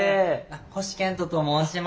星賢人と申します。